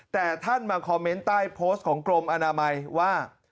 แต่ท่านมาคอมเมนต์ใต้โพสต์ของกรมอนามัยว่า